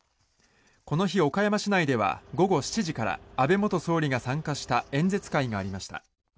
この日、岡山市内では午後７時から安倍元総理が参加した演説会がありました。